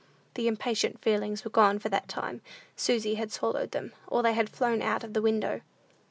The impatient feelings were gone for that time; Susy had swallowed them, or they had flown out of the window.